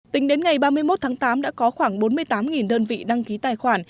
tính đến ngày ba mươi một tháng tám đã có khoảng bốn mươi tám đơn vị đăng ký tài khoản